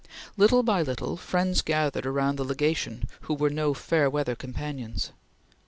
Little by little, friends gathered about the Legation who were no fair weather companions.